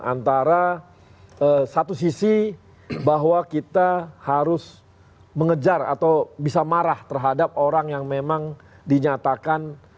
antara satu sisi bahwa kita harus mengejar atau bisa marah terhadap orang yang memang dinyatakan